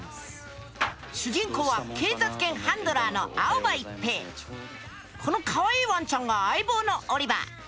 主人公は警察犬ハンドラーのこのかわいいワンちゃんが相棒のオリバー。